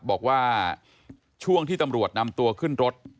บอกว่าช่วงที่ตำรวจนำตัวขึ้นรถ